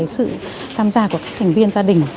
sự tham gia của các thành viên gia đình